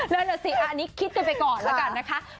นั่นน่ะสิอันนี้คิดกันไปก่อนแล้วกันนะคะ